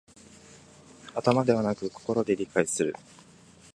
頭ではなく心で理解する